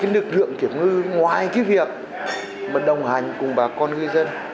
lực lượng kiểm ngư ngoài việc đồng hành cùng bà con ngư dân